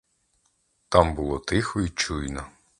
Там було тихо й чуйно.